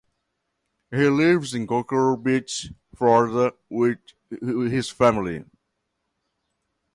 He lives in Cocoa Beach, Florida, with his family.